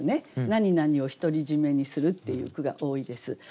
「なになにを独り占めにする」っていう句が多いです。